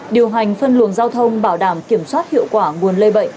điều hành phân luồng giao thông bảo đảm kiểm soát hiệu quả nguồn lây bệnh